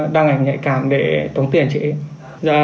đăng ảnh nhạy cảm để tống tiền chị